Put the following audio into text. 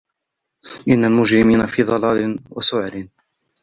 إِنَّ الْمُجْرِمِينَ فِي ضَلَالٍ وَسُعُرٍ